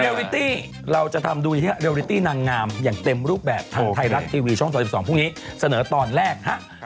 วิตตี้เราจะทำดูเรลิตี้นางงามอย่างเต็มรูปแบบทางไทยรัฐทีวีช่อง๓๒พรุ่งนี้เสนอตอนแรกฮะ